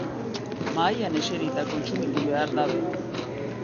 Mahaian eserita kontsumitu behar da beti.